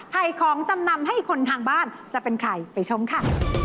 ของจำนำให้คนทางบ้านจะเป็นใครไปชมค่ะ